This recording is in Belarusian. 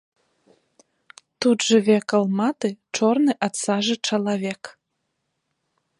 Тут жыве калматы, чорны ад сажы чалавек.